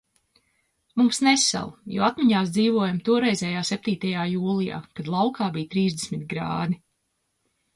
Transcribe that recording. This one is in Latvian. Mums nesala, jo atmiņās dzīvojam toreizējā septītajā jūlijā, kad laukā bija trīsdesmit grādi.